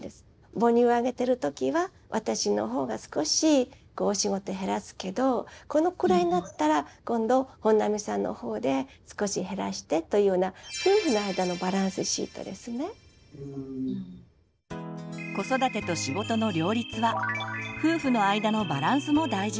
母乳あげてる時は私のほうが少しお仕事減らすけどこのくらいになったら今度本並さんのほうで少し減らしてというような子育てと仕事の両立は夫婦の間のバランスも大事。